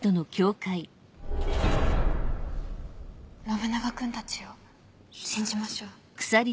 信長君たちを信じましょう。